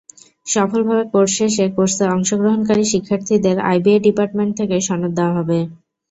সফলভাবে কোর্স শেষে কোর্সে অংশগ্রহণকারী শিক্ষার্থীদের আইবিএ ডিপার্টমেন্ট থেকে সনদ দেওয়া হবে।